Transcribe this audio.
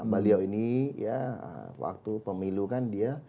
beliau ini ya waktu pemilu kan dia